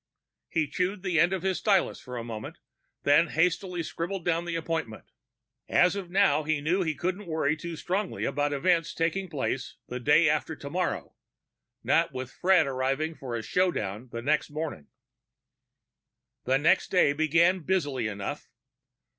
He chewed the end of his stylus for a moment, then hastily scribbled down the appointment. As of now, he knew he couldn't worry too strongly about events taking place the day after tomorrow not with Fred arriving for a show down the next morning. The next day began busily enough.